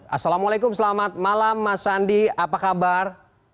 assalamualaikum selamat malam mas andi apa kabar